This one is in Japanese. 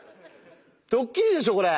ドッキリでしょ？これ。